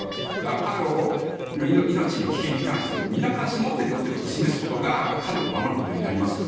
彼の命の危険に関してはみんな関心を持ってるよって示すことが彼を守ることになりますよね。